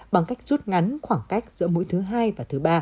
bằng cách rút ngắn khoảng cách giữa mũi thứ hai và thứ ba